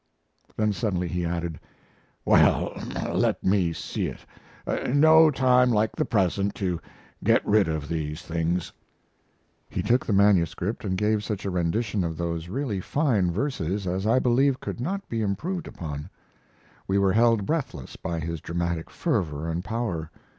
Then suddenly he added: "Well, let me see it no time like the present to get rid of these things." He took the manuscript and gave such a rendition of those really fine verses as I believe could not be improved upon. We were held breathless by his dramatic fervor and power.